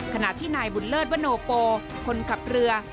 ขณะที่นายบุญเลิศวโนโปคนขับเรือ